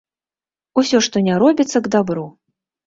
Усё, што не робіцца, к дабру.